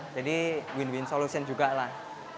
jadi win win solution juga lah